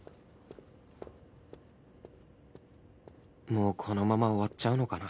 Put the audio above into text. もうこのまま終わっちゃうのかな